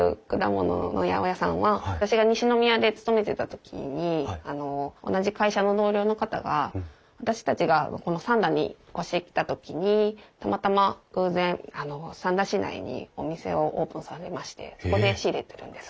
私が西宮で勤めてた時に同じ会社の同僚の方が私たちがこの三田に越してきた時にたまたま偶然三田市内にお店をオープンさせましてそこで仕入れてるんです。